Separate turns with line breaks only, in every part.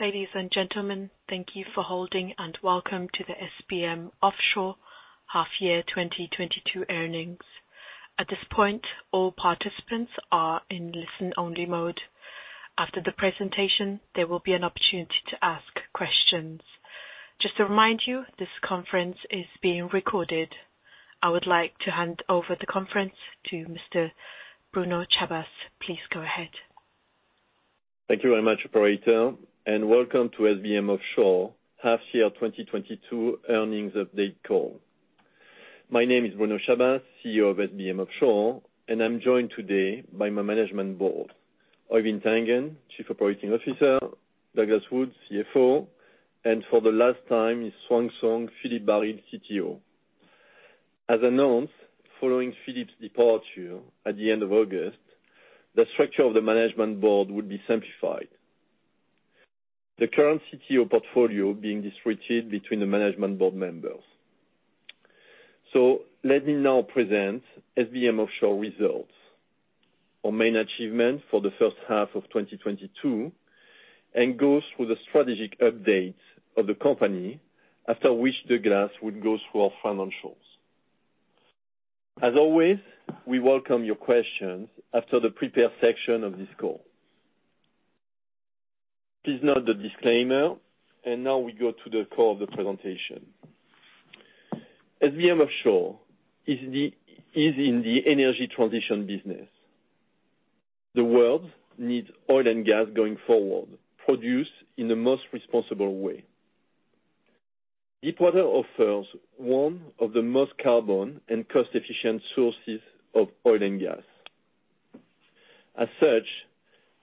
Ladies and gentlemen, thank you for holding, and welcome to the SBM Offshore Half Year 2022 Earnings. At this point, all participants are in listen-only mode. After the presentation, there will be an opportunity to ask questions. Just to remind you, this conference is being recorded. I would like to hand over the conference to Mr. Bruno Chabas. Please go ahead.
Thank you very much, operator, and welcome to SBM Offshore Half Year 2022 Earnings Update Call. My name is Bruno Chabas, CEO of SBM Offshore, and I'm joined today by my management board, Øivind Tangen, Chief Operating Officer, Douglas Wood, CFO, and for the last time, Xiang Song, Philippe Barril, CTO. As announced, following Philippe's departure at the end of August, the structure of the management board would be simplified. The current CTO portfolio being distributed between the management board members. Let me now present SBM Offshore results. Our main achievement for the first half of 2022, and go through the strategic updates of the company. After which, Douglas would go through our financials. As always, we welcome your questions after the prepared section of this call. Please note the disclaimer, and now we go to the core of the presentation. SBM Offshore is in the energy transition business. The world needs oil and gas going forward, produced in the most responsible way. Deepwater offers one of the most carbon and cost-efficient sources of oil and gas. As such,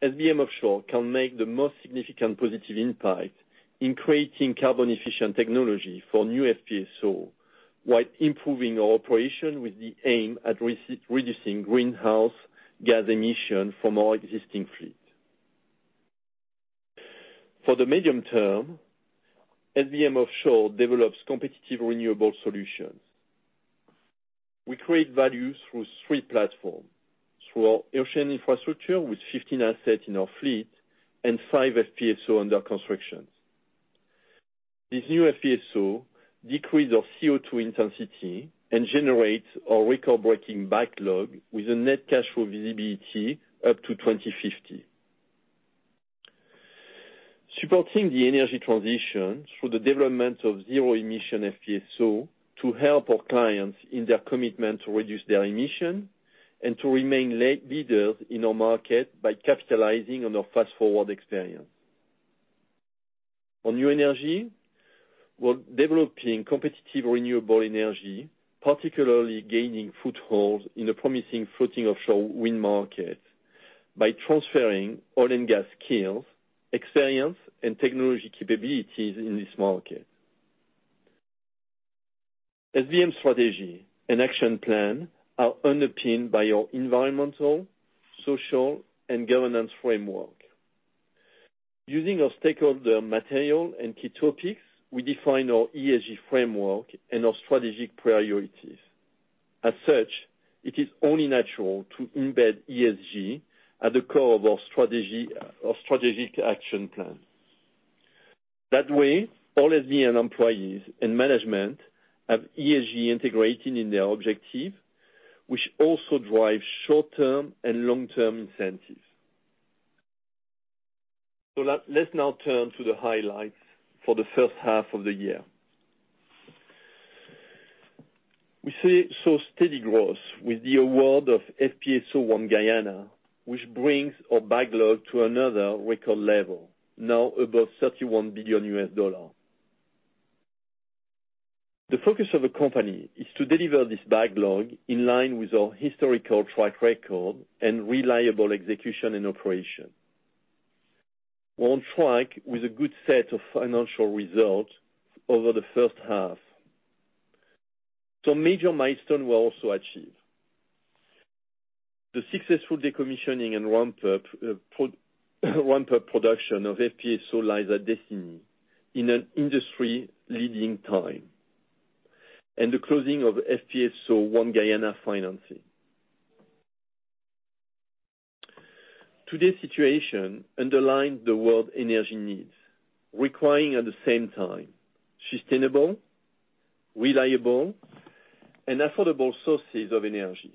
SBM Offshore can make the most significant positive impact in creating carbon-efficient technology for new FPSO, while improving our operation with the aim at reducing greenhouse gas emission from our existing fleet. For the medium term, SBM Offshore develops competitive renewable solutions. We create value through three platforms, through our ocean infrastructure with 15 assets in our fleet and five FPSO under constructions. These new FPSO decrease our CO2 intensity and generate a record-breaking backlog with a net cash flow visibility up to 2050. Supporting the energy transition through the development of zero-emission FPSO to help our clients in their commitment to reduce their emission and to remain leaders in our market by capitalizing on our Fast4Ward experience. On new energy, we're developing competitive renewable energy, particularly gaining footholds in the promising floating offshore wind market by transferring oil and gas skills, experience, and technology capabilities in this market. SBM strategy and action plan are underpinned by our environmental, social, and governance framework. Using our stakeholder material and key topics, we define our ESG framework and our strategic priorities. As such, it is only natural to embed ESG at the core of our strategy, our strategic action plan. That way, all SBM employees and management have ESG integrated in their objective, which also drives short-term and long-term incentives. Let's now turn to the highlights for the first half of the year. We saw steady growth with the award of FPSO One Guyana, which brings our backlog to another record level, now above $31 billion. The focus of the company is to deliver this backlog in line with our historical track record and reliable execution and operation. We're on track with a good set of financial results over the first half. Some major milestones were also achieved. The successful decommissioning and ramp up production of FPSO Liza Destiny in an industry-leading time, and the closing of FPSO One Guyana financing. Today's situation underlines the world energy needs, requiring at the same time sustainable, reliable, and affordable sources of energy.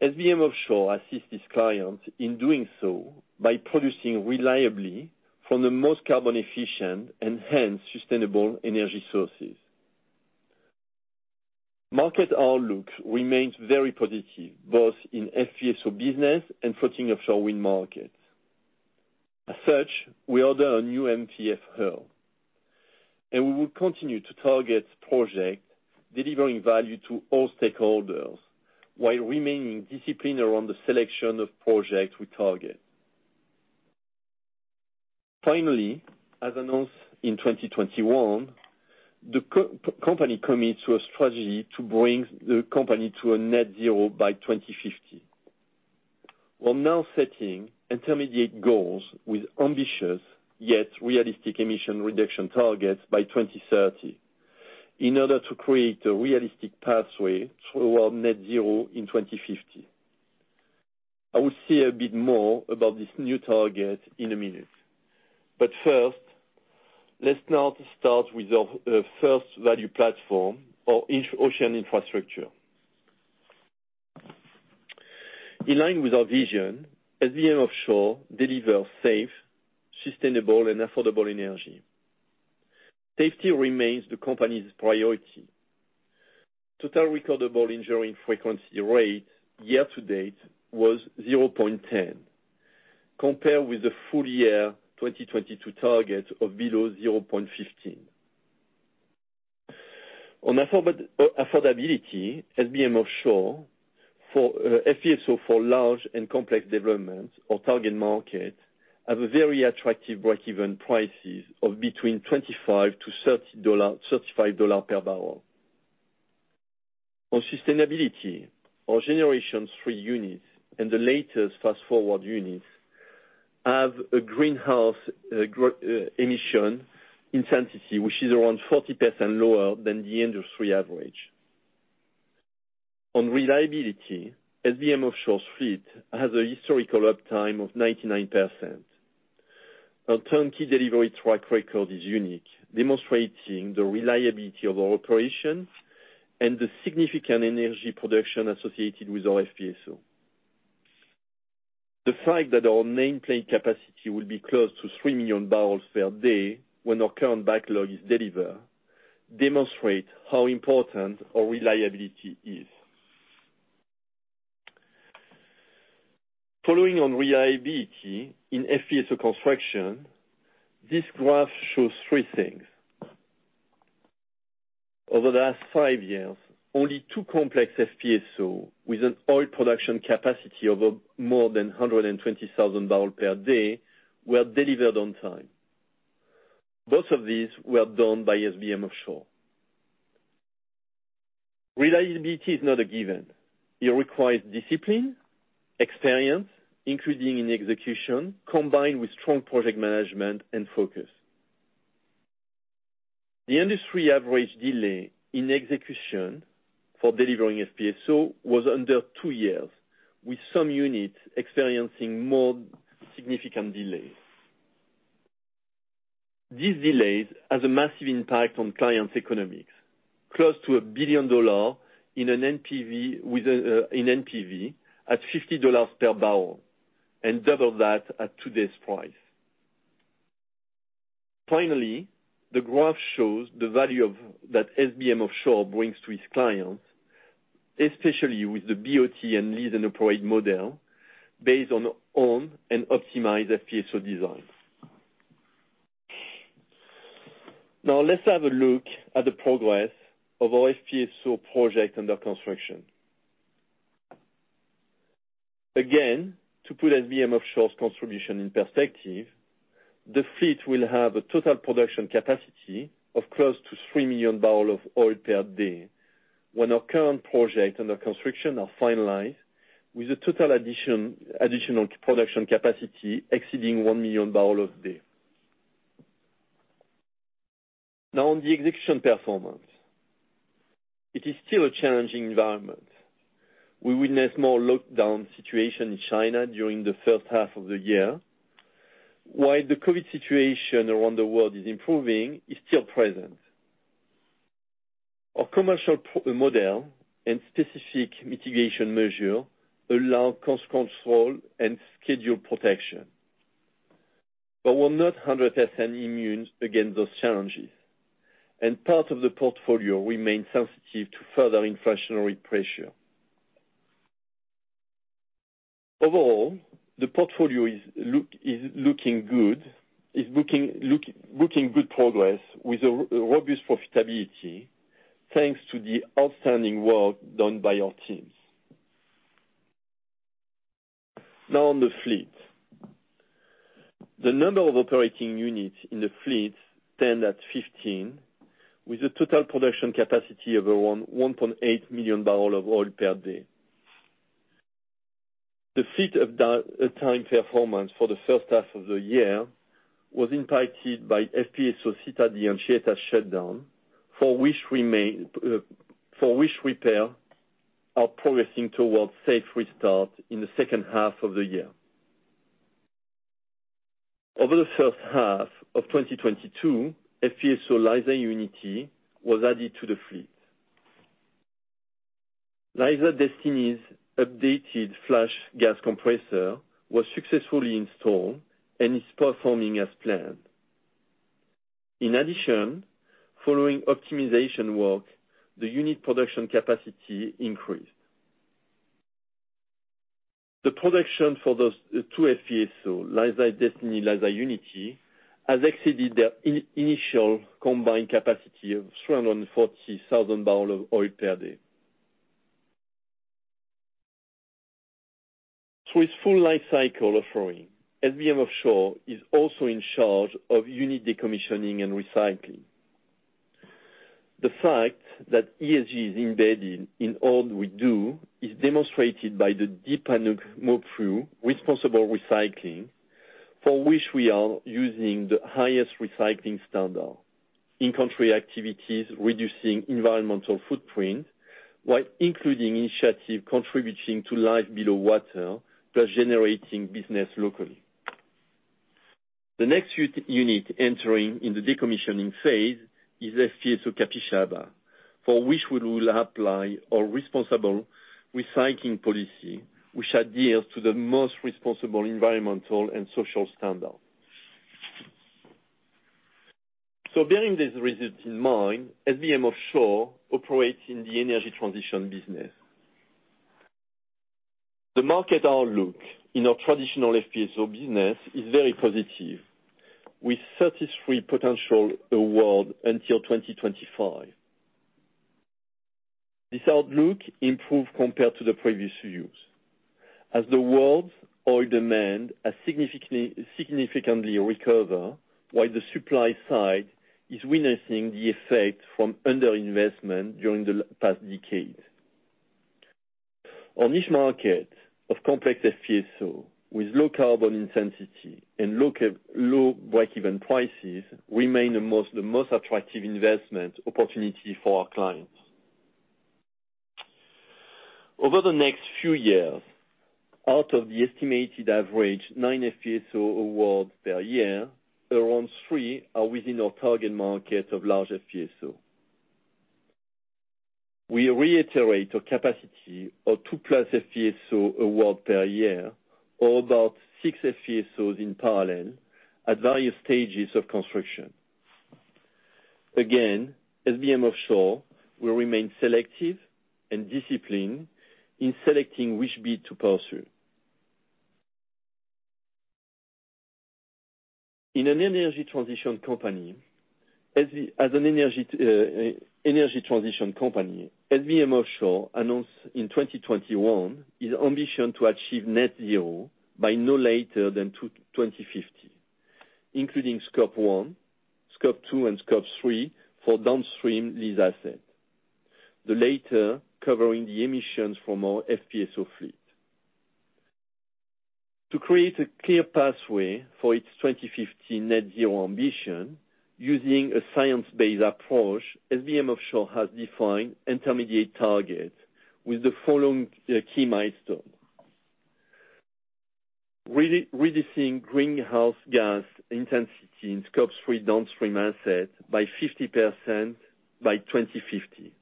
SBM Offshore assists its clients in doing so by producing reliably from the most carbon efficient and hence sustainable energy sources. Market outlook remains very positive, both in FPSO business and floating offshore wind markets. As such, we order a new MPF hull, and we will continue to target projects delivering value to all stakeholders while remaining disciplined around the selection of projects we target. Finally, as announced in 2021, the company commits to a strategy to bring the company to a net zero by 2050. We're now setting intermediate goals with ambitious, yet realistic emission reduction targets by 2030. In order to create a realistic pathway toward net zero in 2050. I will say a bit more about this new target in a minute. First, let's now start with our first value platform or ocean infrastructure. In line with our vision, SBM Offshore delivers safe, sustainable, and affordable energy. Safety remains the company's priority. Total recordable injury frequency rate year to date was 0.10, compared with the full year 2022 target of below 0.15. On affordability, SBM Offshore FPSO for large and complex developments our target market have a very attractive break-even prices of between $25-$35 per barrel. On sustainability, our generation three units and the latest Fast4Ward units have a greenhouse emission intensity, which is around 40% lower than the industry average. On reliability, SBM Offshore's fleet has a historical uptime of 99%. Our turnkey delivery track record is unique, demonstrating the reliability of our operations and the significant energy production associated with our FPSO. The fact that our nameplate capacity will be close to 3 million barrels per day when our current backlog is delivered, demonstrate how important our reliability is. Following on reliability in FPSO construction, this graph shows three things. Over the last five years, only two complex FPSO with an oil production capacity over more than 120,000 barrel per day were delivered on time. Both of these were done by SBM Offshore. Reliability is not a given. It requires discipline, experience, including in execution, combined with strong project management and focus. The industry average delay in execution for delivering FPSO was under two years, with some units experiencing more significant delays. These delays has a massive impact on clients' economics, close to $1 billion in an NPV with, in NPV at $50 per barrel and double that at today's price. Finally, the graph shows the value of that SBM Offshore brings to its clients, especially with the BOT and lease and operate model based on own and optimized FPSO design. Now let's have a look at the progress of our FPSO project under construction. Again, to put SBM Offshore's contribution in perspective, the fleet will have a total production capacity of close to 3 million barrels of oil per day when our current projects under construction are finalized with a total additional production capacity exceeding 1 million barrels a day. Now on the execution performance. It is still a challenging environment. We witnessed more lockdown situation in China during the first half of the year. While the COVID situation around the world is improving, it's still present. Our commercial model and specific mitigation measure allow cost control and schedule protection. We're not 100% immune against those challenges. Part of the portfolio remains sensitive to further inflationary pressure. Overall, the portfolio is looking good progress with a robust profitability thanks to the outstanding work done by our teams. Now on the fleet. The number of operating units in the fleet stand at 15, with a total production capacity of around 1.8 million barrels of oil per day. The fleet downtime performance for the first half of the year was impacted by FPSO Cidade de Anchieta shutdown, for which repairs are progressing towards safe restart in the second half of the year. Over the first half of 2022, FPSO Liza Unity was added to the fleet. Liza Destiny's updated flash gas compressor was successfully installed and is performing as planned. In addition, following optimization work, the unit production capacity increased. The production for those two FPSOs, Liza Destiny, Liza Unity, has exceeded their initial combined capacity of 340,000 barrels of oil per day. Through its full lifecycle offering, SBM Offshore is also in charge of unit decommissioning and recycling. The fact that ESG is embedded in all we do is demonstrated by the Deep Panuke MOPU responsible recycling for which we are using the highest recycling standard in-country activities, reducing environmental footprint, while including initiatives contributing to life below water plus generating business locally. The next unit entering in the decommissioning phase is FPSO Capixaba, for which we will apply our responsible recycling policy, which adheres to the most responsible environmental and social standard. Bearing these results in mind, SBM Offshore operates in the energy transition business. The market outlook in our traditional FPSO business is very positive, with 33 potential awards until 2025. This outlook improved compared to the previous years as the world's oil demand has significantly recovered, while the supply side is witnessing the effect from under-investment during the past decades. In the market for complex FPSOs with low carbon intensity and low breakeven prices remain the most attractive investment opportunity for our clients. Over the next few years, out of the estimated average 9 FPSO awards per year, around 3 are within our target market of large FPSOs. We reiterate our capacity of two-plus FPSO awards per year, or about 6 FPSOs in parallel at various stages of construction. Again, SBM Offshore will remain selective and disciplined in selecting which bid to pursue. As an energy transition company, SBM Offshore announced in 2021 its ambition to achieve net zero by no later than 2050, including Scope one, Scope two, and Scope three for downstream lease asset, the latter covering the emissions from our FPSO fleet. To create a clear pathway for its 2050 net zero ambition using a science-based approach, SBM Offshore has defined intermediate targets with the following key milestone. Reducing greenhouse gas intensity in Scope three downstream assets by 50% by 2050,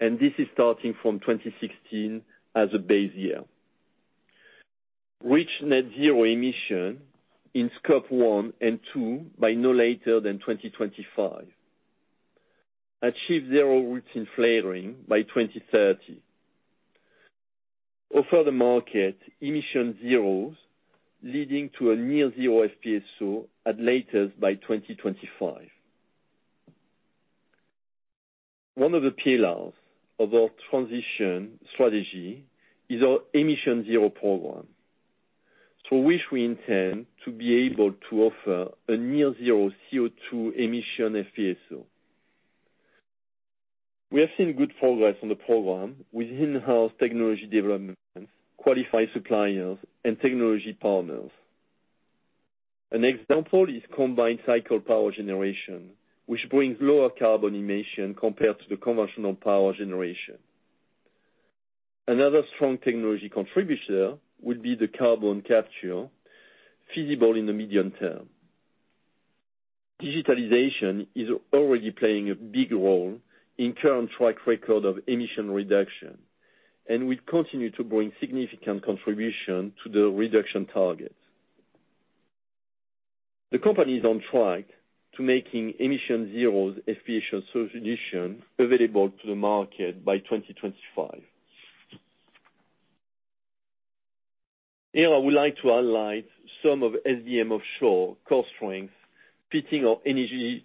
and this is starting from 2016 as a base year. Reach net zero emission in Scope one and two by no later than 2025. Achieve zero routine flaring by 2030. Offer the market emissionZERO, leading to a near zero FPSO at latest by 2025. One of the pillars of our transition strategy is our emissionZERO program, through which we intend to be able to offer a near-zero CO2 emission FPSO. We have seen good progress on the program with in-house technology development, qualified suppliers and technology partners. An example is combined cycle power generation, which brings lower carbon emission compared to the conventional power generation. Another strong technology contributor would be the carbon capture feasible in the medium term. Digitalization is already playing a big role in current track record of emission reduction and will continue to bring significant contribution to the reduction targets. The company is on track to making emissionZERO's FPSO solution available to the market by 2025. Here, I would like to highlight some of SBM Offshore core strengths fitting our energy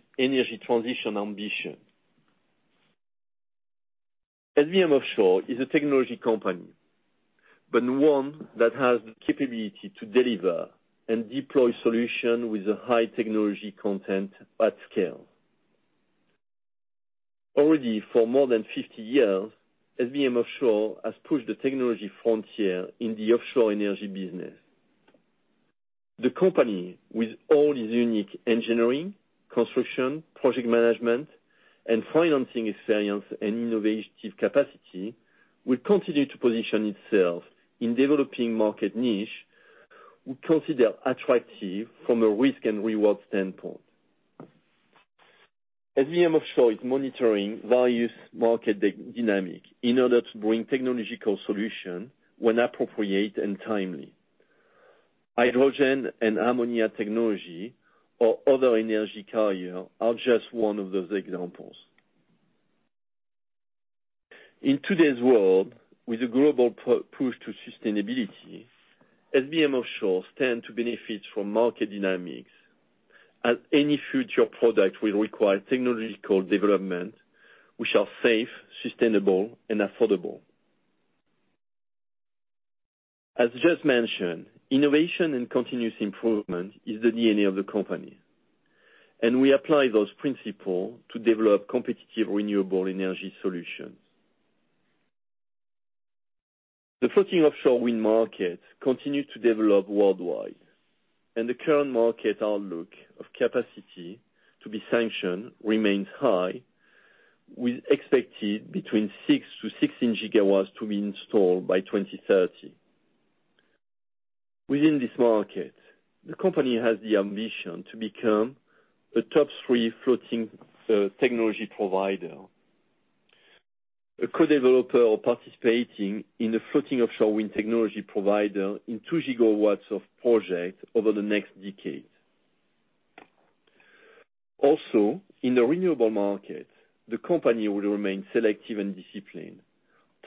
transition ambition. SBM Offshore is a technology company, but one that has the capability to deliver and deploy solutions with a high technology content at scale. Already for more than 50 years, SBM Offshore has pushed the technology frontier in the offshore energy business. The company, with all its unique engineering, construction, project management and financing experience and innovative capacity, will continue to position itself in developing market niches we consider attractive from a risk and reward standpoint. SBM Offshore is monitoring various market dynamics in order to bring technological solutions when appropriate and timely. Hydrogen and ammonia technology or other energy carriers are just one of those examples. In today's world, with a global push to sustainability, SBM Offshore stands to benefit from market dynamics as any future product will require technological developments which are safe, sustainable and affordable. As just mentioned, innovation and continuous improvement is the DNA of the company, and we apply those principles to develop competitive, renewable energy solutions. The floating offshore wind market continues to develop worldwide, and the current market outlook of capacity to be sanctioned remains high, with expected between 6-16 gigawatts to be installed by 2030. Within this market, the company has the ambition to become a top three floating technology provider. A co-developer or participating in the floating offshore wind technology provider in 2 gigawatts of projects over the next decade. Also, in the renewable market, the company will remain selective and disciplined,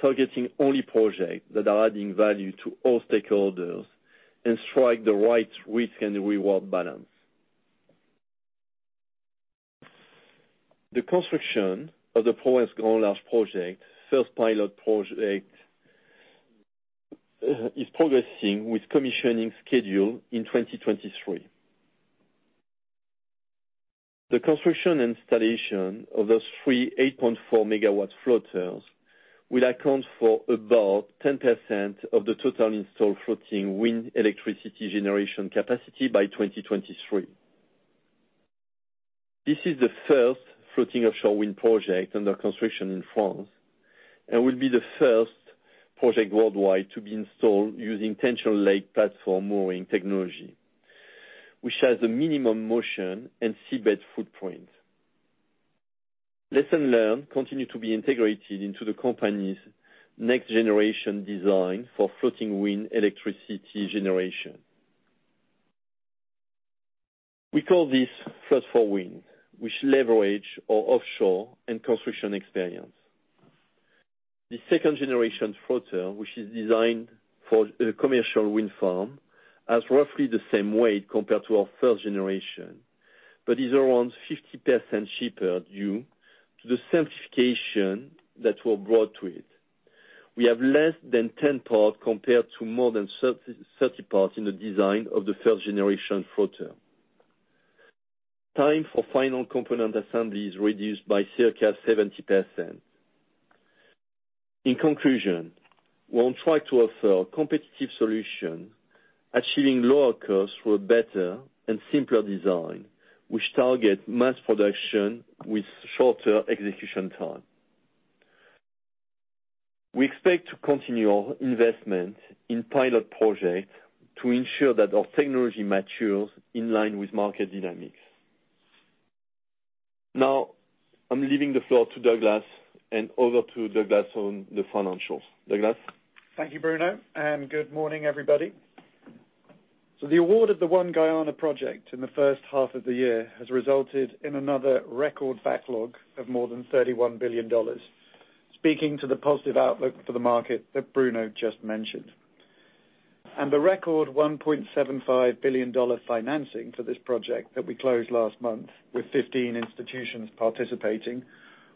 targeting only projects that are adding value to all stakeholders and strike the right risk and reward balance. The construction of the Provence Grand Large project, first pilot project, is progressing with commissioning schedule in 2023. The construction installation of those 3 8.4 MW floaters will account for about 10% of the total installed floating wind electricity generation capacity by 2023. This is the first floating offshore wind project under construction in France and will be the first project worldwide to be installed using tension leg platform mooring technology, which has the minimum motion and seabed footprint. Lessons learned continue to be integrated into the company's next generation design for floating wind electricity generation. We call this Float4Wind, which leverage our offshore and construction experience. The second generation floater, which is designed for a commercial wind farm, has roughly the same weight compared to our first generation, but is around 50% cheaper due to the simplification that were brought to it. We have less than 10 parts compared to more than 30 parts in the design of the first generation floater. Time for final component assembly is reduced by circa 70%. In conclusion, we'll try to offer competitive solution, achieving lower costs for better and simpler design, which target mass production with shorter execution time. We expect to continue our investment in pilot projects to ensure that our technology matures in line with market dynamics. Now, I'm leaving the floor to Douglas and over to Douglas on the financials. Douglas?
Thank you, Bruno, and good morning, everybody. The award of the One Guyana project in the first half of the year has resulted in another record backlog of more than $31 billion, speaking to the positive outlook for the market that Bruno just mentioned. The record $1.75 billion financing for this project that we closed last month with 15 institutions participating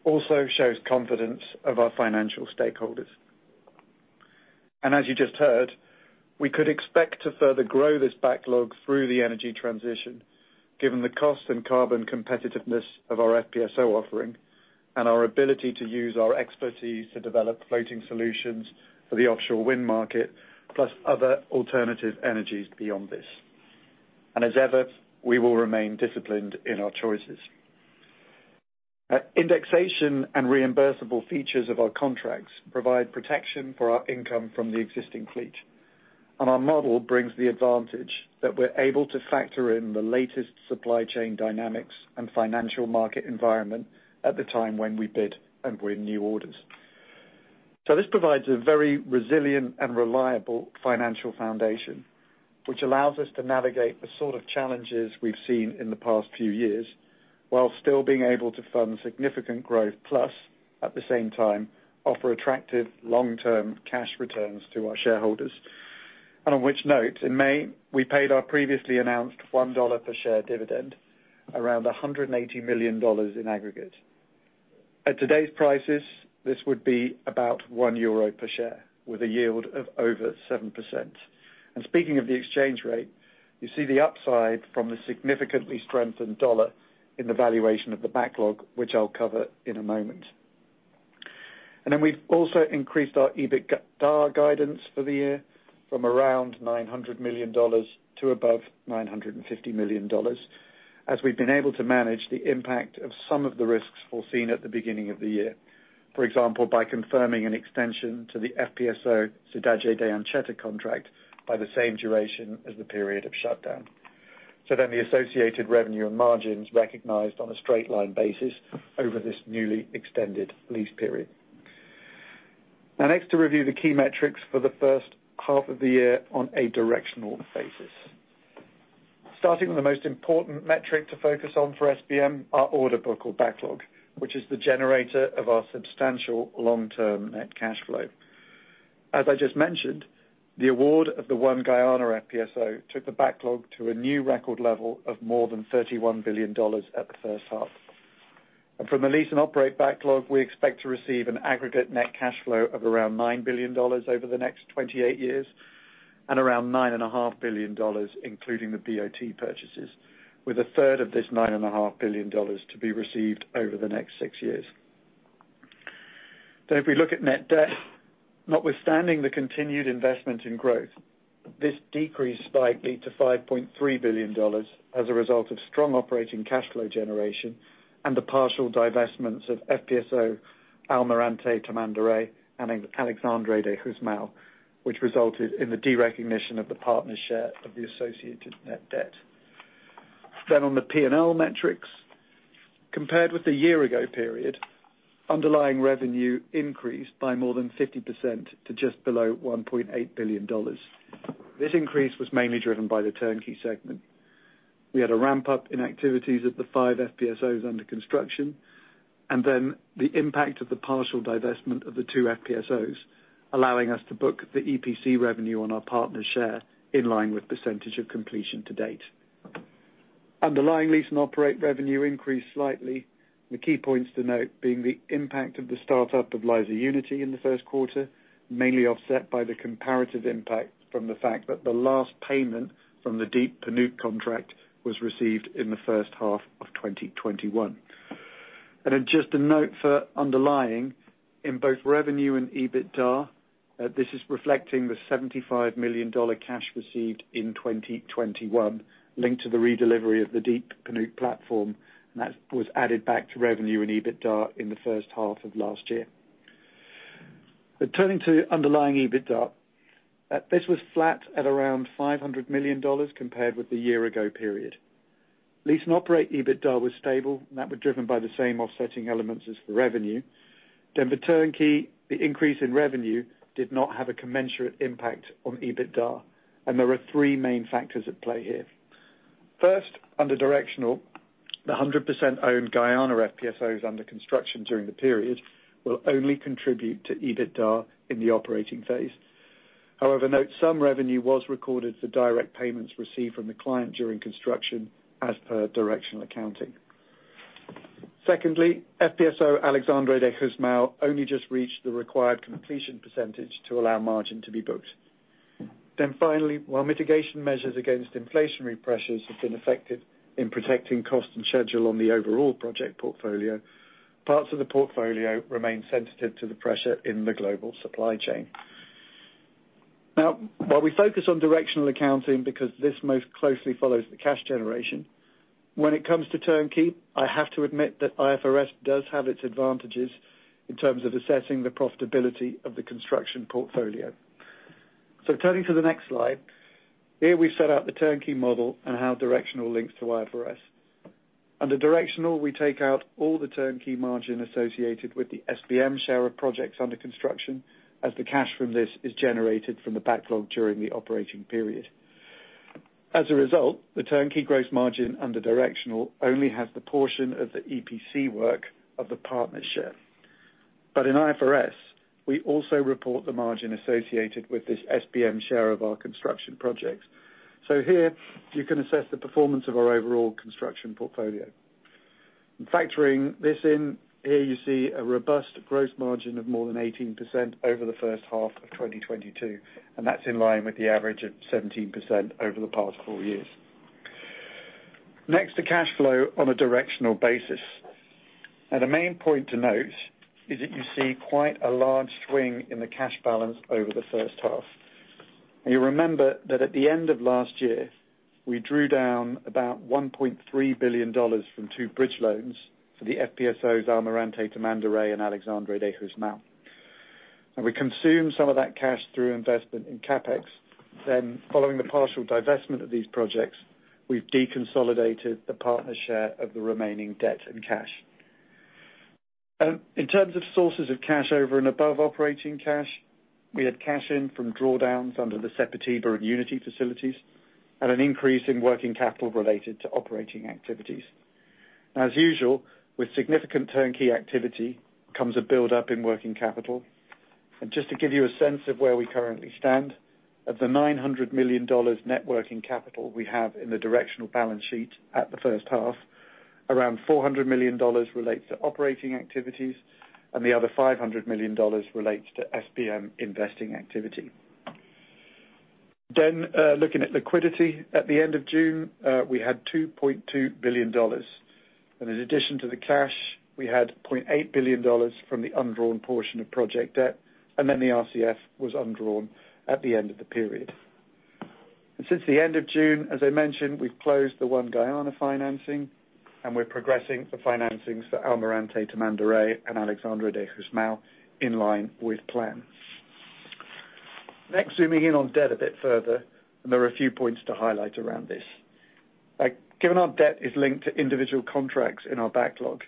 also shows confidence of our financial stakeholders. As you just heard, we could expect to further grow this backlog through the energy transition given the cost and carbon competitiveness of our FPSO offering and our ability to use our expertise to develop floating solutions for the offshore wind market, plus other alternative energies beyond this. As ever, we will remain disciplined in our choices. Indexation and reimbursable features of our contracts provide protection for our income from the existing fleet. Our model brings the advantage that we're able to factor in the latest supply chain dynamics and financial market environment at the time when we bid and win new orders. This provides a very resilient and reliable financial foundation, which allows us to navigate the sort of challenges we've seen in the past few years while still being able to fund significant growth, plus, at the same time, offer attractive long-term cash returns to our shareholders. On which note, in May, we paid our previously announced $1 per share dividend, around $180 million in aggregate. At today's prices, this would be about 1 euro per share with a yield of over 7%. Speaking of the exchange rate, you see the upside from the significantly strengthened dollar in the valuation of the backlog, which I'll cover in a moment. We've also increased our EBITDA guidance for the year from around $900 million to above $950 million, as we've been able to manage the impact of some of the risks foreseen at the beginning of the year. For example, by confirming an extension to the FPSO Cidade de Anchieta contract by the same duration as the period of shutdown. The associated revenue and margins recognized on a straight line basis over this newly extended lease period. Now, next, to review the key metrics for the first half of the year on a directional basis. Starting with the most important metric to focus on for SBM, our order book or backlog, which is the generator of our substantial long-term net cash flow. As I just mentioned, the award of the One Guyana FPSO took the backlog to a new record level of more than $31 billion at the first half. From the lease and operate backlog, we expect to receive an aggregate net cash flow of around $9 billion over the next 28 years. Around $9.5 billion, including the BOT purchases, with a third of this $9.5 billion to be received over the next 6 years. If we look at net debt, notwithstanding the continued investment in growth, this decreased slightly to $5.3 billion as a result of strong operating cash flow generation and the partial divestments of FPSO Almirante Tamandaré and Alexandre de Gusmão, which resulted in the derecognition of the partner share of the associated net debt. On the P&L metrics. Compared with the year ago period, underlying revenue increased by more than 50% to just below $1.8 billion. This increase was mainly driven by the Turnkey segment. We had a ramp-up in activities at the 5 FPSOs under construction, and then the impact of the partial divestment of the 2 FPSOs, allowing us to book the EPC revenue on our partner share in line with percentage of completion to date. Underlying Lease and Operate revenue increased slightly. The key points to note being the impact of the start-up of Liza Unity in the first quarter, mainly offset by the comparative impact from the fact that the last payment from the Deep Panuke contract was received in the first half of 2021. Just a note for underlying in both revenue and EBITDA, this is reflecting the $75 million cash received in 2021 linked to the redelivery of the Deep Panuke platform, and that was added back to revenue and EBITDA in the first half of last year. Turning to underlying EBITDA, this was flat at around $500 million compared with the year-ago period. Lease and Operate EBITDA was stable, and that was driven by the same offsetting elements as for revenue. For Turnkey, the increase in revenue did not have a commensurate impact on EBITDA, and there are three main factors at play here. First, under construction, the 100% owned Guyana FPSOs under construction during the period will only contribute to EBITDA in the operating phase. However, note some revenue was recorded for direct payments received from the client during construction as per directional accounting. Secondly, FPSO Alexandre de Gusmão only just reached the required completion percentage to allow margin to be booked. Finally, while mitigation measures against inflationary pressures have been effective in protecting cost and schedule on the overall project portfolio, parts of the portfolio remain sensitive to the pressure in the global supply chain. Now, while we focus on directional accounting because this most closely follows the cash generation, when it comes to turnkey, I have to admit that IFRS does have its advantages in terms of assessing the profitability of the construction portfolio. Turning to the next slide, here we set out the turnkey model and how directional links to IFRS. Under directional, we take out all the turnkey margin associated with the SBM share of projects under construction, as the cash from this is generated from the backlog during the operating period. As a result, the turnkey gross margin under directional only has the portion of the EPC work of the partner share. In IFRS, we also report the margin associated with this SBM share of our construction projects. Here you can assess the performance of our overall construction portfolio. Factoring this in here, you see a robust gross margin of more than 18% over the first half of 2022, and that's in line with the average of 17% over the past four years. Next to cash flow on a directional basis. Now, the main point to note is that you see quite a large swing in the cash balance over the first half. You remember that at the end of last year, we drew down about $1.3 billion from two bridge loans for the FPSOs Almirante Tamandaré and Alexandre de Gusmão. We consumed some of that cash through investment in CapEx. Following the partial divestment of these projects, we've deconsolidated the partner share of the remaining debt and cash. In terms of sources of cash over and above operating cash, we had cash in from drawdowns under the Sepetiba and Unity facilities and an increase in working capital related to operating activities. As usual, with significant turnkey activity comes a build-up in working capital. Just to give you a sense of where we currently stand, of the $900 million net working capital we have in the directional balance sheet at the first half, around $400 million relates to operating activities and the other $500 million relates to SBM investing activity. Looking at liquidity at the end of June, we had $2.2 billion, and in addition to the cash, we had $0.8 billion from the undrawn portion of project debt, and then the RCF was undrawn at the end of the period. Since the end of June, as I mentioned, we've closed the One Guyana financing, and we're progressing the financings for Almirante Tamandaré and Alexandre de Gusmão in line with plan. Next, zooming in on debt a bit further, and there are a few points to highlight around this. Given our debt is linked to individual contracts in our backlog,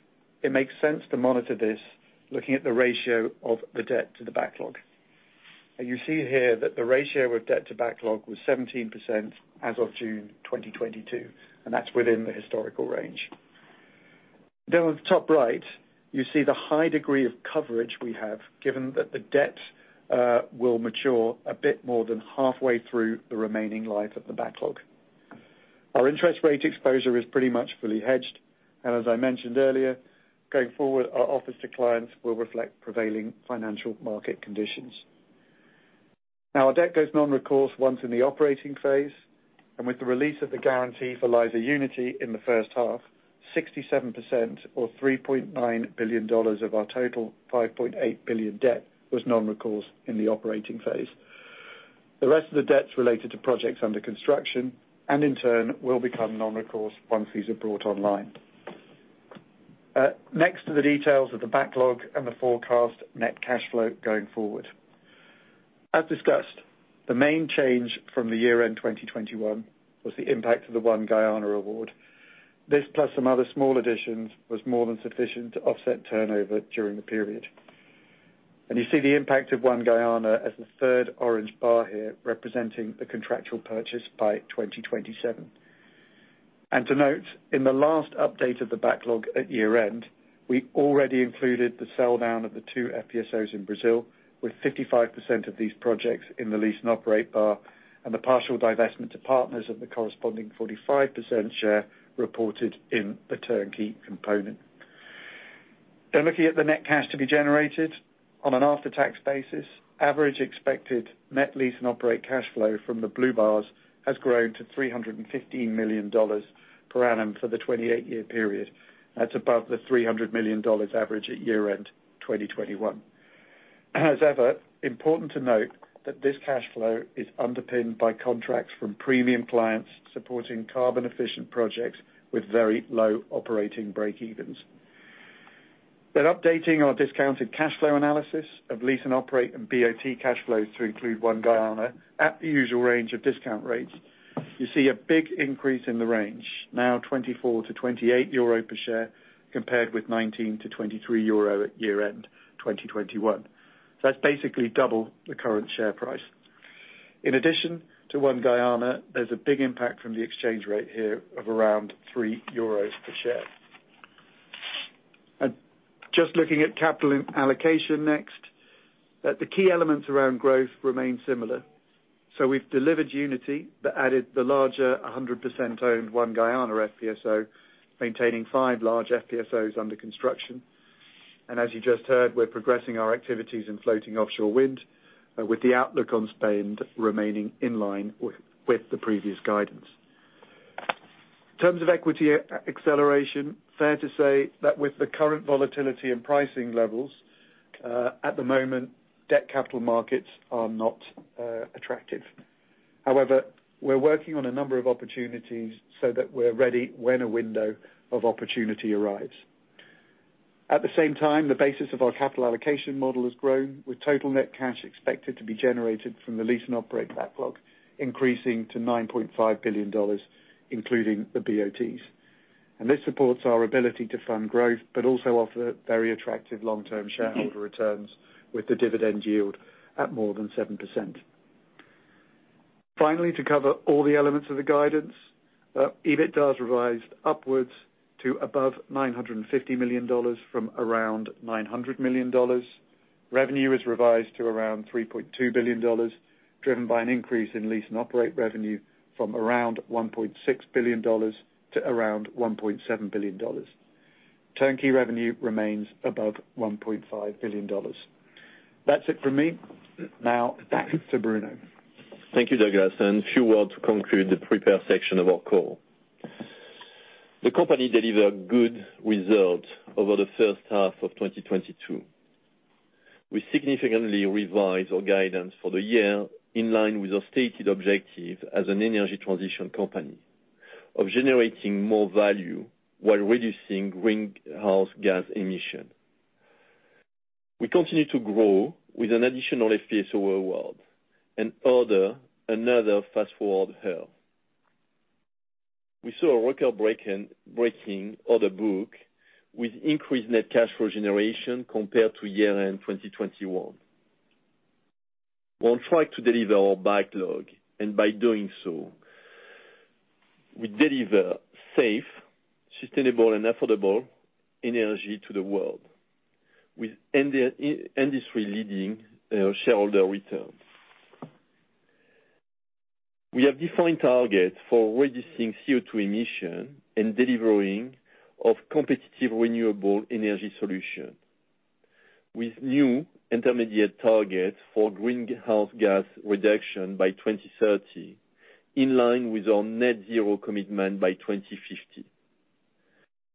it makes sense to monitor this looking at the ratio of the debt to the backlog. You see here that the ratio of debt to backlog was 17% as of June 2022, and that's within the historical range. On the top right, you see the high degree of coverage we have given that the debt will mature a bit more than halfway through the remaining life of the backlog. Our interest rate exposure is pretty much fully hedged. As I mentioned earlier, going forward, our offers to clients will reflect prevailing financial market conditions. Now our debt goes non-recourse once in the operating phase, and with the release of the guarantee for Liza Unity in the first half, 67% or $3.9 billion of our total $5.8 billion debt was non-recourse in the operating phase. The rest of the debt's related to projects under construction and in turn will become non-recourse once these are brought online. Next to the details of the backlog and the forecast net cash flow going forward. As discussed, the main change from the year-end 2021 was the impact of the One Guyana award. This, plus some other small additions, was more than sufficient to offset turnover during the period. You see the impact of One Guyana as the third orange bar here, representing the contractual purchase by 2027. To note, in the last update of the backlog at year-end, we already included the sell down of the two FPSOs in Brazil, with 55% of these projects in the Lease and Operate bar and the partial divestment to partners of the corresponding 45% share reported in the Turnkey component. Looking at the net cash to be generated on an after-tax basis, average expected net Lease and Operate cash flow from the blue bars has grown to $315 million per annum for the 28-year period. That's above the $300 million average at year-end 2021. As ever, important to note that this cash flow is underpinned by contracts from premium clients supporting carbon-efficient projects with very low operating breakevens. Updating our discounted cash flow analysis of Lease and Operate and BOT cash flows to include One Guyana at the usual range of discount rates, you see a big increase in the range, now 24-28 euro per share, compared with 19-23 euro at year-end 2021. That's basically double the current share price. In addition to One Guyana, there's a big impact from the exchange rate here of around 3 euros per share. Just looking at capital allocation next, that the key elements around growth remain similar. We've delivered Unity that added the larger 100%-owned One Guyana FPSO, maintaining 5 large FPSOs under construction. As you just heard, we're progressing our activities in floating offshore wind, with the outlook on spend remaining in line with the previous guidance. In terms of equity acceleration, fair to say that with the current volatility in pricing levels, at the moment, debt capital markets are not attractive. However, we're working on a number of opportunities so that we're ready when a window of opportunity arrives. At the same time, the basis of our capital allocation model has grown, with total net cash expected to be generated from the Lease and Operate backlog, increasing to $9.5 billion, including the BOTs. This supports our ability to fund growth, but also offer very attractive long-term shareholder returns with the dividend yield at more than 7%. Finally, to cover all the elements of the guidance, EBITDA revised upwards to above $950 million from around $900 million. Revenue is revised to around $3.2 billion, driven by an increase in Lease and Operate revenue from around $1.6 billion to around $1.7 billion. Turnkey revenue remains above $1.5 billion. That's it for me. Now back to Bruno.
Thank you, Douglas. A few words to conclude the prepared section of our call. The company delivered good results over the first half of 2022. We significantly revised our guidance for the year, in line with our stated objective as an energy transition company of generating more value while reducing greenhouse gas emissions. We continue to grow with an additional FPSO award and order another Fast4Ward hull. We saw a record-breaking order book with increased net cash flow generation compared to year-end 2021. We're on track to deliver our backlog, and by doing so, we deliver safe, sustainable and affordable energy to the world with industry-leading shareholder returns. We have defined targets for reducing CO2 emissions and delivery of competitive renewable energy solutions with new intermediate targets for greenhouse gas reduction by 2030, in line with our net zero commitment by 2050.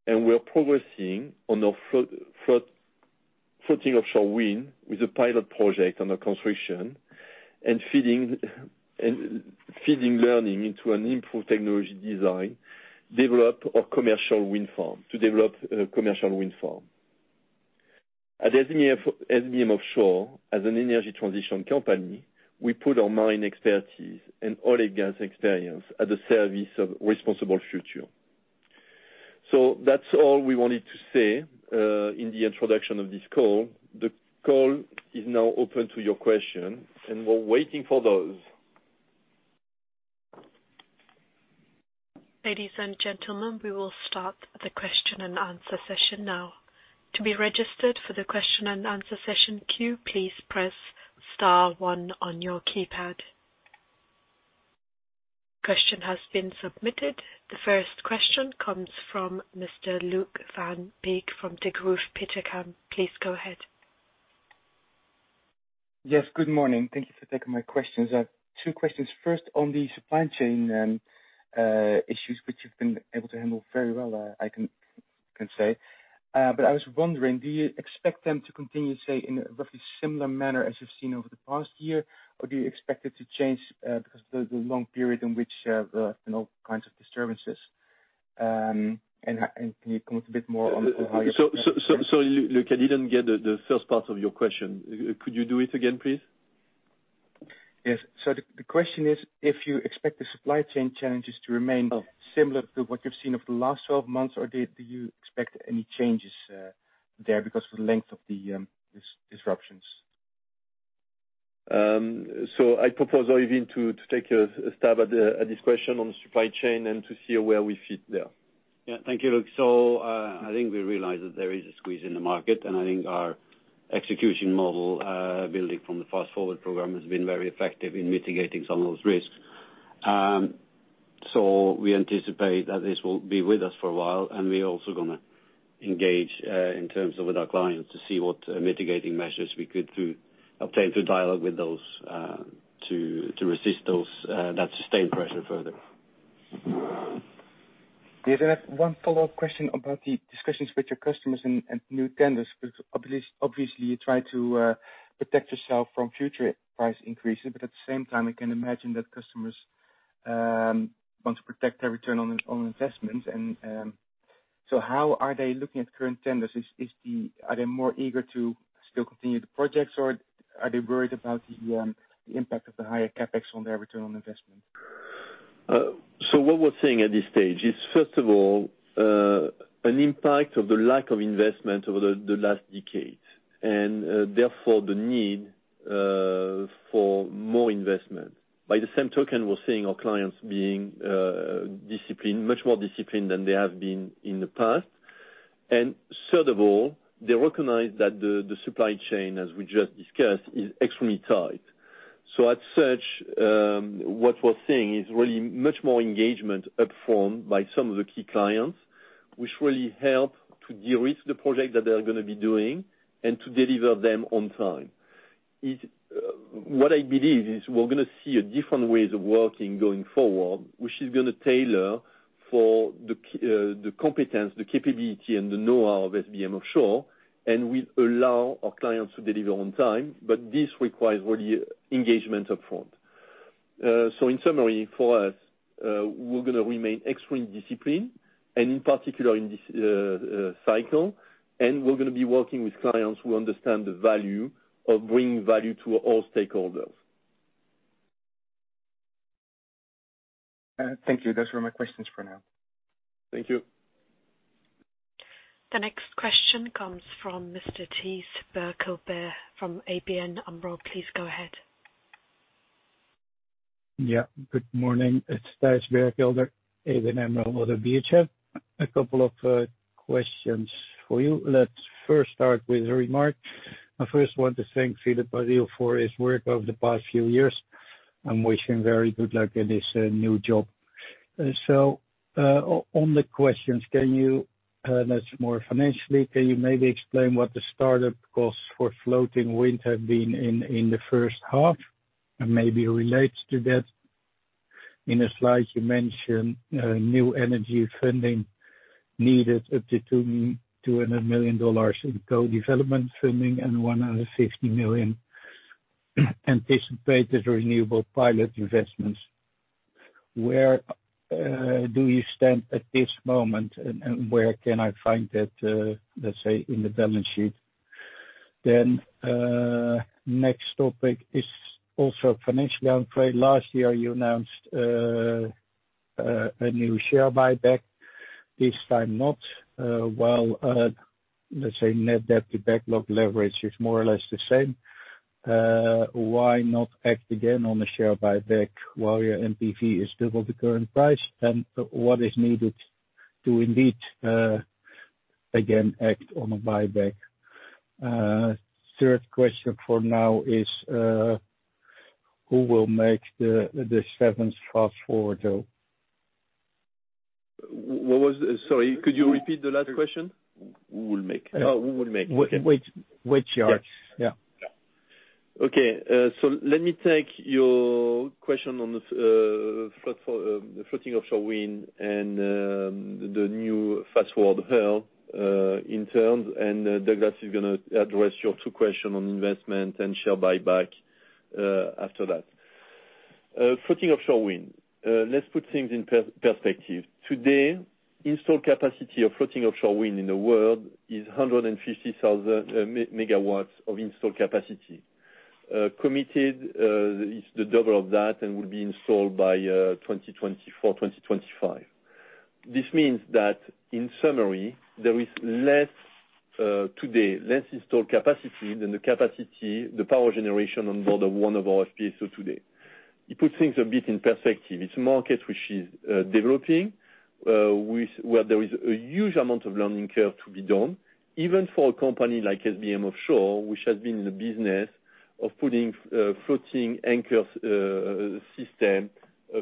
We are progressing on our floating offshore wind with a pilot project under construction and feeding learning into an improved technology design, to develop a commercial wind farm. At SBM Offshore, as an energy transition company, we put our marine expertise and oil and gas experience at the service of responsible future. That's all we wanted to say in the introduction of this call. The call is now open to your question, and we're waiting for those.
Ladies and gentlemen, we will start the question-and-answer session now. To be registered for the question-and-answer session queue, please press *1 on your keypad. Question has been submitted. The first question comes from Mr. Luuk van Beek from Degroof Petercam. Please go ahead.
Yes. Good morning. Thank you for taking my questions. I have two questions. First on the supply chain issues which you've been able to handle very well, I can say. But I was wondering, do you expect them to continue, say, in a roughly similar manner as you've seen over the past year? Or do you expect it to change because of the long period in which you have, you know, all kinds of disturbances? And can you comment a bit more on how your-
Luuk, I didn't get the first part of your question. Could you do it again, please?
Yes. The question is if you expect the supply chain challenges to remain similar to what you've seen over the last 12 months, or do you expect any changes there because of the length of the disruptions?
I propose Øivind to take a stab at this question on the supply chain and to see where we fit there.
Thank you, Luuk. I think we realize that there is a squeeze in the market, and I think our execution model, building from the Fast4Ward program has been very effective in mitigating some of those risks. We anticipate that this will be with us for a while, and we are also gonna engage in terms of with our clients to see what mitigating measures we could do to obtain through dialogue with those to resist those that sustained pressure further.
I have one follow-up question about the discussions with your customers and new tenders. Because obviously you try to protect yourself from future price increases, but at the same time I can imagine that customers want to protect their return on investment. How are they looking at current tenders? Are they more eager to still continue the projects, or are they worried about the impact of the higher CapEx on their return on investment?
What we're seeing at this stage is, first of all, an impact of the lack of investment over the last decade, and therefore the need for more investment. By the same token, we're seeing our clients being disciplined, much more disciplined than they have been in the past. Third of all, they recognize that the supply chain, as we just discussed, is extremely tight. As such, what we're seeing is really much more engagement up front by some of the key clients, which really help to de-risk the project that they are gonna be doing and to deliver them on time. It's what I believe is we're gonna see a different ways of working going forward, which is gonna tailor for the competence, the capability, and the knowhow of SBM Offshore, and will allow our clients to deliver on time. This requires really engagement upfront. In summary, for us, we're gonna remain extremely disciplined, and in particular in this cycle, and we're gonna be working with clients who understand the value of bringing value to all stakeholders.
Thank you. Those were my questions for now.
Thank you.
The next question comes from Mr. Thijs Berkelder from ABN AMRO. Please go ahead..
Good morning. It's Thijs Berkelder, ABN AMRO, out of Amsterdam. A couple of questions for you. Let's first start with a remark. I first want to thank Philippe Barril for his work over the past few years. I'm wishing very good luck in his new job. So, on the questions, can you, that's more financially, can you maybe explain what the startup costs for floating wind have been in the first half. Maybe related to that, in a slide you mentioned, new energy funding needed up to $200 million in co-development funding and $150 million anticipated renewable pilot investments. Where do you stand at this moment, and where can I find that, let's say in the balance sheet. Next topic is also financially. I'm afraid last year you announced a new share buyback. This time not. While let's say net debt to backlog leverage is more or less the same, why not act again on the share buyback while your NPV is double the current price? What is needed to indeed again act on a buyback? Third question for now is, who will make the seventh Fast4Ward hull?
What was Sorry, could you repeat the last question?
Who will make?
Okay.
Which yards?
Yes. Okay. Let me take your question on the Float4Wind, the floating offshore wind and the new Fast4Ward hull, in terms, and Douglas is gonna address your two questions on investment and share buyback after that. Floating offshore wind. Let's put things in perspective. Today, installed capacity of floating offshore wind in the world is 150,000 megawatts of installed capacity. Committed is the double of that and will be installed by 2024, 2025. This means that in summary, there is less today installed capacity than the capacity, the power generation on board of one of our FPSO today. It puts things a bit in perspective. It's a market which is developing, where there is a huge amount of learning curve to be done, even for a company like SBM Offshore, which has been in the business of putting floating anchor system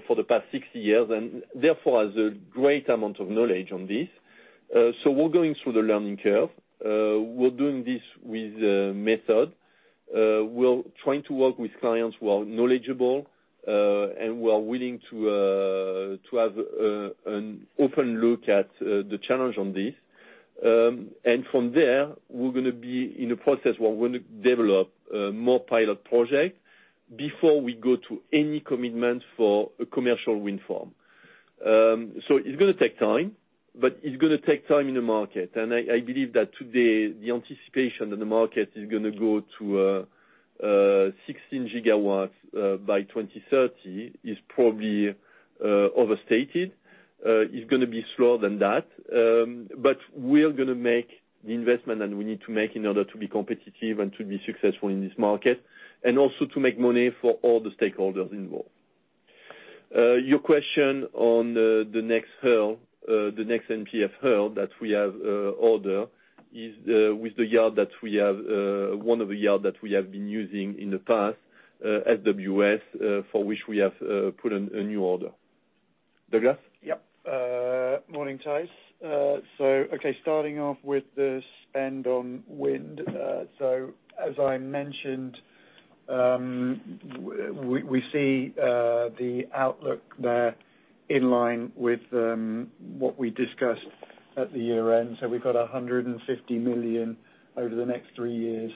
for the past 60 years, and therefore has a great amount of knowledge on this. We're going through the learning curve. We're doing this with method. We're trying to work with clients who are knowledgeable and who are willing to have an open look at the challenge on this. From there, we're gonna be in a process where we're gonna develop more pilot projects before we go to any commitment for a commercial wind farm. It's gonna take time, but it's gonna take time in the market. I believe that today, the anticipation that the market is gonna go to 16 gigawatts by 2030 is probably overstated. It's gonna be slower than that. We're gonna make the investment that we need to make in order to be competitive and to be successful in this market. Also to make money for all the stakeholders involved. Your question on the next hull, the next MPF hull that we have ordered is with one of the yards that we have been using in the past, SWS, for which we have put a new order. Douglas?
Morning, Thijs. Starting off with the spend on wind. As I mentioned, we see the outlook there in line with what we discussed at the year end. We've got $150 million over the next three years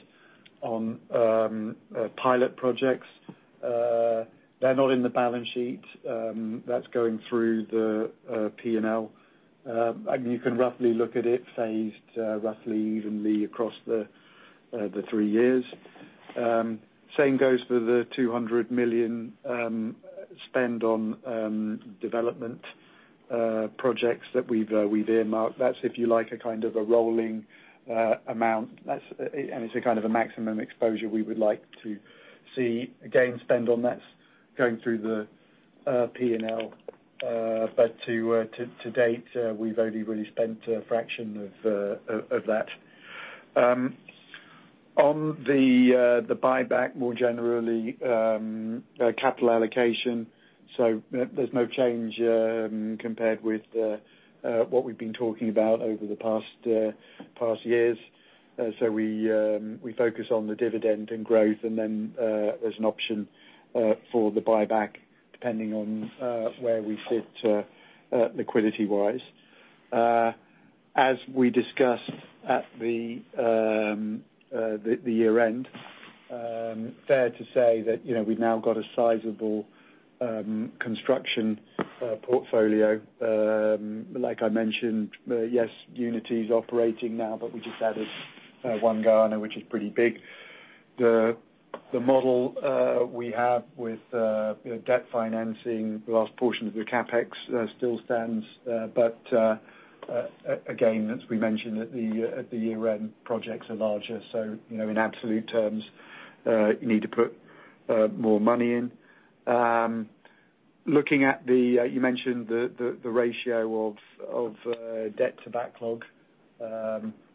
on pilot projects. They're not in the balance sheet, that's going through the P&L. You can roughly look at it phased roughly evenly across the three years. Same goes for the $200 million spend on development projects that we've earmarked. That's, if you like, a kind of a rolling amount. That's, and it's a kind of a maximum exposure we would like to see. Again, spend on that's going through the P&L. To date, we've only really spent a fraction of that. On the buyback more generally, capital allocation. There's no change compared with what we've been talking about over the past years. We focus on the dividend and growth and then there's an option for the buyback depending on where we sit liquidity-wise. As we discussed at the year end, fair to say that, you know, we've now got a sizable construction portfolio. Like I mentioned, yes, Unity's operating now, but we just added One Guyana, which is pretty big. The model we have with you know debt financing, the last portion of the CapEx still stands. As we mentioned at the year end, projects are larger. You know in absolute terms you need to put more money in. Looking at the you mentioned the ratio of debt to backlog,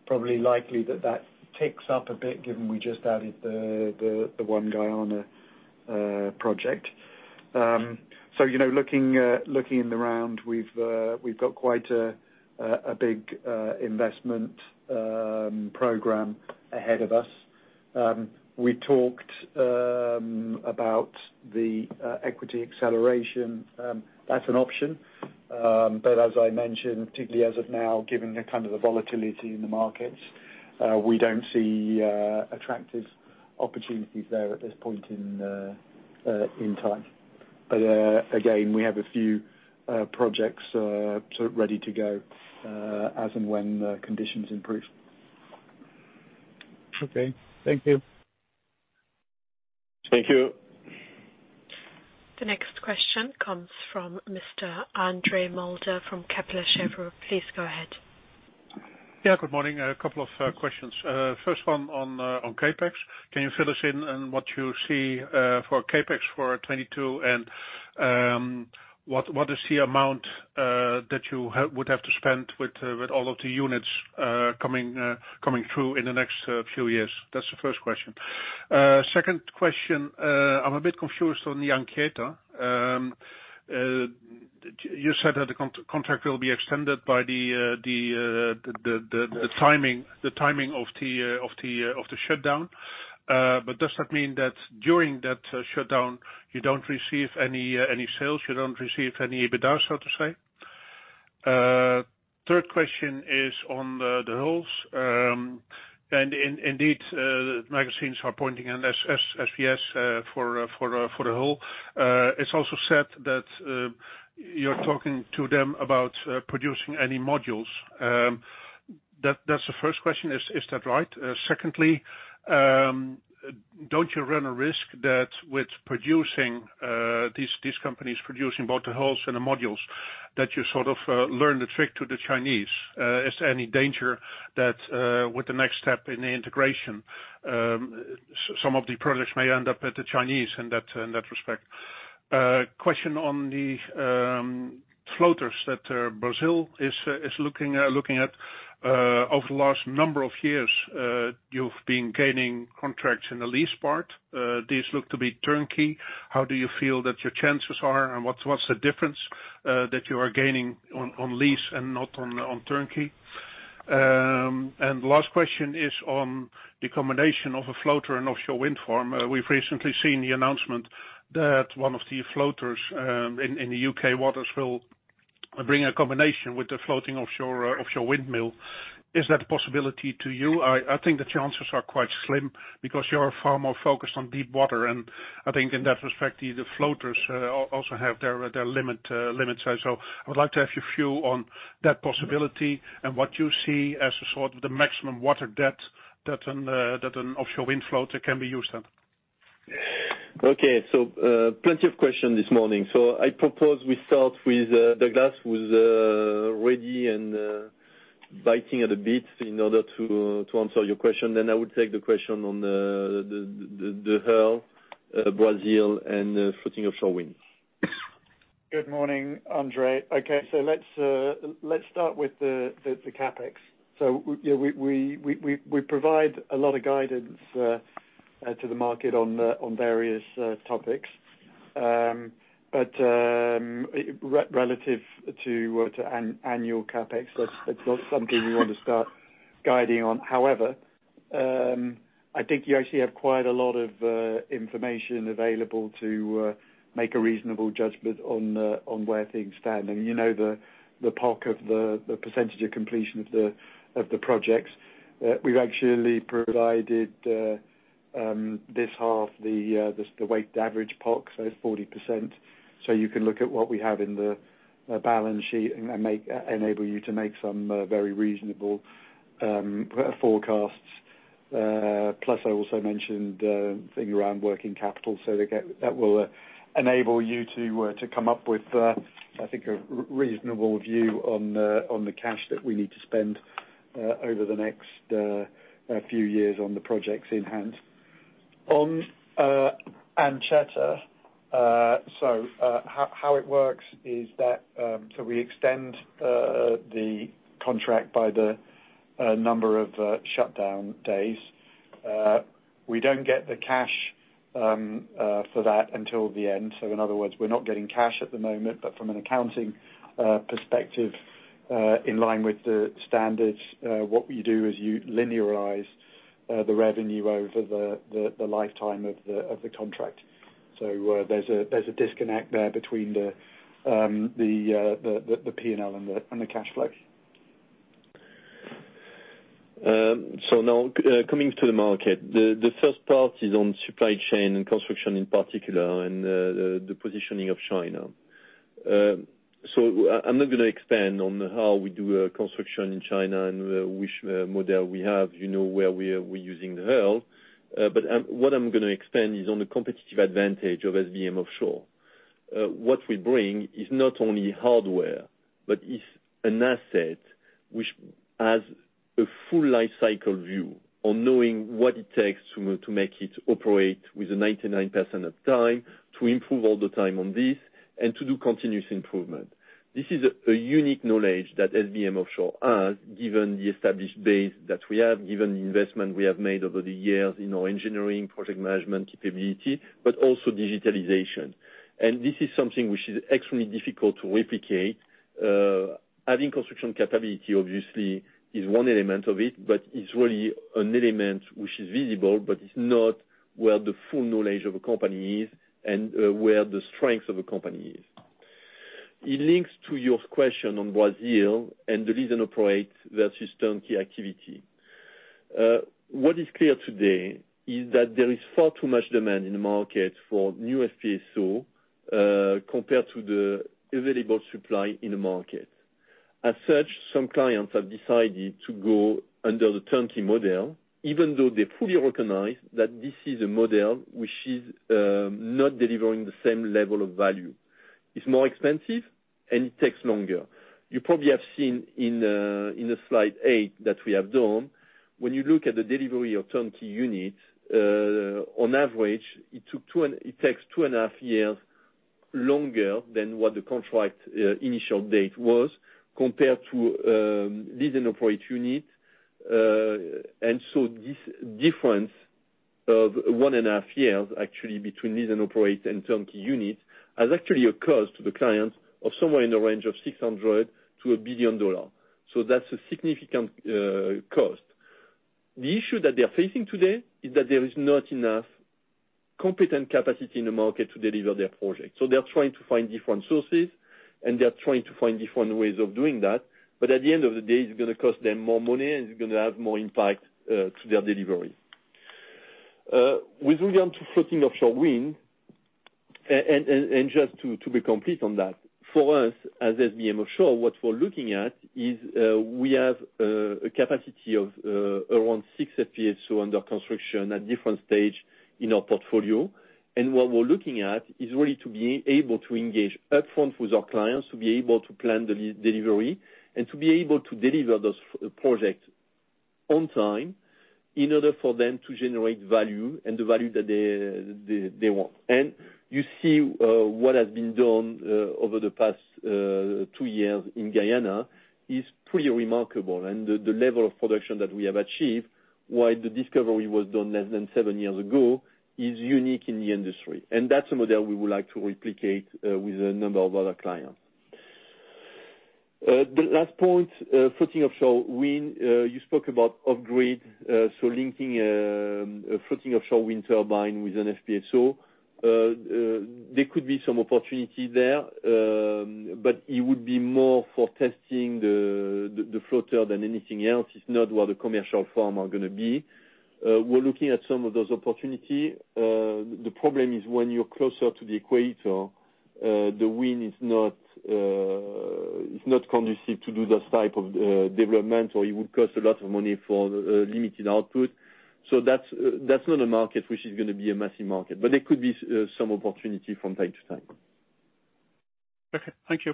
probably likely that ticks up a bit given we just added the One Guyana project. You know looking in the round, we've got quite a big investment program ahead of us. We talked about the equity acceleration as an option. As I mentioned, particularly as of now, given the kind of volatility in the markets, we don't see attractive opportunities there at this point in time. Again, we have a few projects sort of ready to go as and when the conditions improve.
Okay. Thank you.
Thank you.
The next question comes from Mr. Quirijn Mulder from Kepler Cheuvreux. Please go ahead.
Good morning. A couple of questions. First one on CapEx. Can you fill us in on what you see for CapEx for 2022, and what is the amount that you would have to spend with all of the units coming through in the next few years? That's the first question. Second question, I'm a bit confused on the Anchieta. You said that the contract will be extended by the timing of the shutdown. Does that mean that during that shutdown, you don't receive any sales? You don't receive any EBITDA, so to say? Third question is on the hulls. Indeed, magazines are pointing to SWS for the hull. It's also said that you're talking to them about producing any modules. That's the first question. Is that right? Secondly, don't you run a risk that with these companies producing both the hulls and the modules that you sort of learn the trick to the Chinese. Is there any danger that with the next step in the integration, some of the products may end up with the Chinese in that respect? Question on the floaters that Brazil is looking at. Over the last number of years, you've been gaining contracts in the lease part. These look to be turnkey. How do you feel that your chances are, and what's the difference that you are gaining on lease and not on turnkey? Last question is on the combination of a floater and offshore wind farm. We've recently seen the announcement that one of the floaters in the U.K. waters will bring a combination with the floating offshore windmill. Is that a possibility to you? I think the chances are quite slim because you're far more focused on deep water, and I think in that respect the floaters also have their limit. I would like to have your view on that possibility and what you see as sort of the maximum water depth that an offshore wind floater can be used then.
Okay. Plenty of questions this morning. I propose we start with Douglas, who is ready and biting at the bit in order to answer your question. I would take the question on the hull, Brazil, and floating offshore wind.
Good morning, Quirijn. Okay, let's start with the CapEx. We provide a lot of guidance to the market on various topics. Relative to an annual CapEx, that's not something we want to start guiding on. However, I think you actually have quite a lot of information available to make a reasonable judgment on where things stand. You know, the POC of the percentage of completion of the projects. We've actually provided this half the weighted average POC, so 40%. You can look at what we have in the balance sheet and enable you to make some very reasonable forecasts. Plus I also mentioned figure around working capital, so that will enable you to come up with, I think, a reasonable view on the cash that we need to spend over the next few years on the projects in hand. On Anchieta, how it works is that we extend the contract by the number of shutdown days. We don't get the cash for that until the end. In other words, we're not getting cash at the moment, but from an accounting perspective, in line with the standards, what you do is you linearize the revenue over the lifetime of the contract. There's a disconnect there between the P&L and the cash flow.
Coming to the market, the first part is on supply chain and construction in particular and the positioning of China. I'm not gonna expand on how we do construction in China and which model we have, you know, where we are using the hull. What I'm gonna expand is on the competitive advantage of SBM Offshore. What we bring is not only hardware, but is an asset which has a full life cycle view on knowing what it takes to make it operate with a 99% of time, to improve all the time on this, and to do continuous improvement. This is a unique knowledge that SBM Offshore has, given the established base that we have, given the investment we have made over the years in our engineering project management capability, but also digitalization. This is something which is extremely difficult to replicate. Having construction capability obviously is one element of it, but it's really an element which is visible, but it's not where the full knowledge of a company is and where the strength of a company is. It links to your question on Brazil and the reason operate versus turnkey activity. What is clear today is that there is far too much demand in the market for new FPSO, compared to the available supply in the market. As such, some clients have decided to go under the turnkey model, even though they fully recognize that this is a model which is not delivering the same level of value. It's more expensive and it takes longer. You probably have seen in the slide 8 that we have done. When you look at the delivery of turnkey units, on average, it takes 2.5 years longer than what the contract initial date was compared to Lease and Operate units. This difference of 1.5 years actually between Lease and Operate and turnkey units has actually a cost to the clients of somewhere in the range of $600 million-$1 billion. That's a significant cost. The issue that they are facing today is that there is not enough competent capacity in the market to deliver their project. They're trying to find different sources, and they're trying to find different ways of doing that. At the end of the day, it's gonna cost them more money, and it's gonna have more impact to their delivery. With regard to floating offshore wind, and just to be complete on that, for us, as SBM Offshore, what we're looking at is, we have a capacity of around 6 FPSO under construction at different stage in our portfolio. What we're looking at is really to be able to engage upfront with our clients, to be able to plan the delivery, and to be able to deliver those projects on time, in order for them to generate value and the value that they want. You see, what has been done over the past 2 years in Guyana is pretty remarkable. The level of production that we have achieved, while the discovery was done less than 7 years ago, is unique in the industry. That's a model we would like to replicate with a number of other clients. The last point, floating offshore wind, you spoke about upgrade, so linking a floating offshore wind turbine with an FPSO. There could be some opportunity there, but it would be more for testing the floater than anything else. It's not what the commercial farms are gonna be. We're looking at some of those opportunities. The problem is when you're closer to the equator, the wind is not conducive to do this type of development, or it would cost a lot of money for limited output. That's not a market which is gonna be a massive market, but there could be some opportunity from time to time.
Okay, thank you.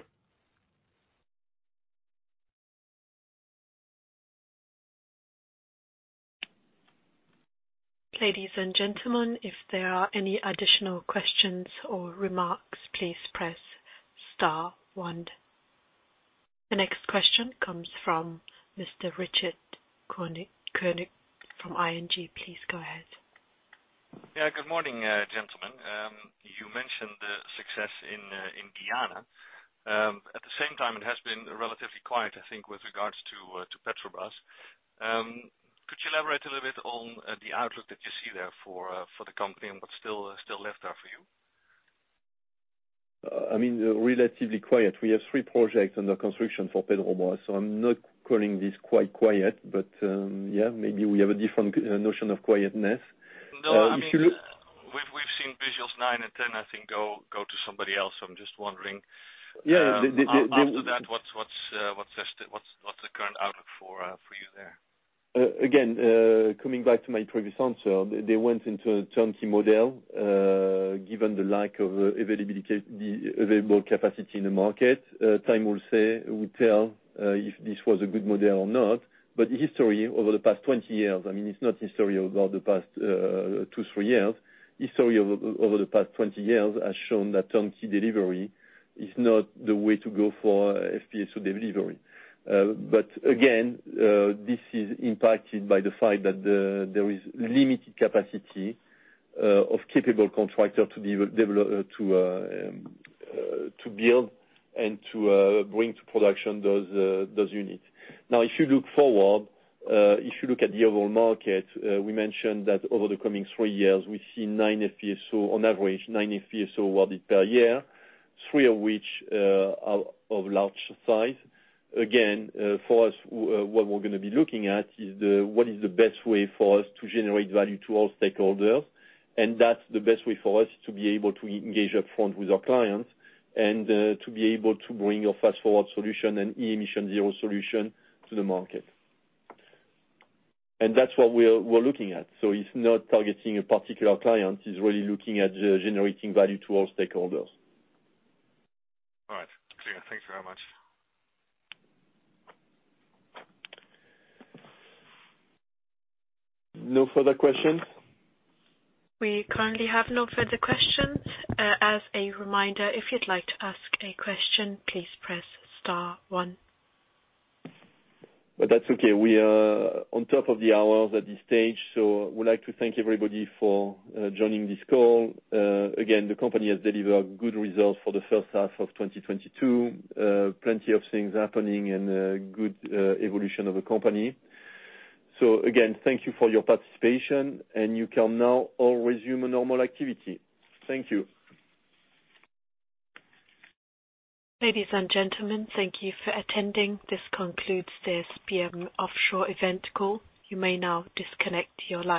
Ladies and gentlemen, if there are any additional questions or remarks, please press *1. The next question comes from Mr. Richard Klijnstra from ING. Please go ahead.
Good morning, gentlemen. You mentioned the success in Guyana. At the same time, it has been relatively quiet, I think, with regards to Petrobras. Could you elaborate a little bit on the outlook that you see there for the company and what's still left there for you?
I mean, relatively quiet. We have three projects under construction for Petrobras, so I'm not calling this quite quiet, maybe we have a different notion of quietness. If you look.
No, I mean, we've seen Búzios 9 and 10, I think, go to somebody else. I'm just wondering. After that, what's the current outlook for you there?
Again, coming back to my previous answer, they went into a turnkey model given the lack of available capacity in the market. Time will tell if this was a good model or not. History over the past 20 years, I mean, it's not history over the past two, three years. History over the past 20 years has shown that turnkey delivery is not the way to go for FPSO delivery. Again, this is impacted by the fact that there is limited capacity of capable contractor to develop, to build and to bring to production those units. Now, if you look forward, if you look at the overall market, we mentioned that over the coming 3 years, we see 9 FPSO on average, 9 FPSO awarded per year, 3 of which are of large size. Again, for us what we're gonna be looking at is the, what is the best way for us to generate value to all stakeholders. That's the best way for us to be able to engage upfront with our clients and, to be able to bring our Fast4Ward solution and emissionZERO solution to the market. That's what we're looking at. It's not targeting a particular client, it's really looking at, generating value to all stakeholders.
All right. Clear. Thank you very much.
No further questions?
We currently have no further questions. As a reminder, if you'd like to ask a question, please press *1.
That's okay. We are on top of the hour at this stage, so would like to thank everybody for joining this call. Again, the company has delivered good results for the first half of 2022. Plenty of things happening and good evolution of the company. Again, thank you for your participation, and you can now all resume your normal activity. Thank you.
Ladies and gentlemen, thank you for attending. This concludes this SBM Offshore event call. You may now disconnect your line.